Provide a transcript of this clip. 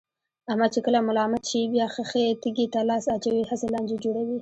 احمد چې کله ملامت شي، بیا خښې تیګې ته لاس اچوي، هسې لانجې جوړوي.